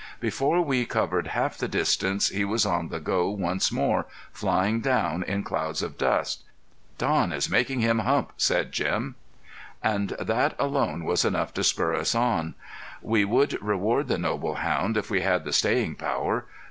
Before we covered half the distance he was on the go once more, flying down in clouds of dust. "Don is makin' him hump," said Jim. And that alone was enough to spur us on. We would reward the noble hound if we had the staying power.